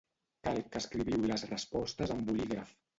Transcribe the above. Cal que escriviu les respostes amb bolígraf.